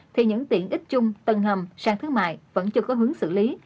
thì những tiện ít chung tần hầm sàn thương mại vẫn chưa có hướng xử lý